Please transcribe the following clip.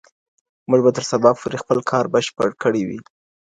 موږ به تر سبا پوري خپل کار بشپړ کړی وي.